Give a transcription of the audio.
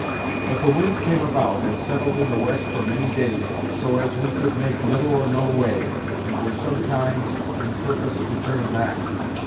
But the wind came about, and settled in the west for many days, so as we could make little or no way, and were sometime in purpose to turn back.